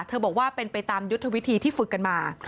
บอกว่าเป็นไปตามยุทธวิธีที่ฝึกกันมา